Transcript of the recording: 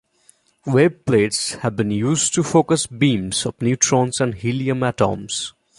Wave plates have been used to focus beams of neutrons and helium atoms.